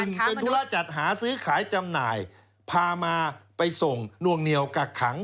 เป็นธุระจัดหาซื้อขายจำหน่ายพามาไปส่งนวงเหนียวกักขัง